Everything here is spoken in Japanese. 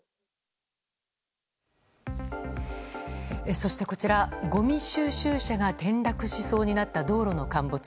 そして、こちらごみ収集車が転落しそうになった道路の陥没。